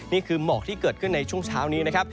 นี่คือหมอกที่เกิดขึ้นในช่วงเช้านี้นะครับ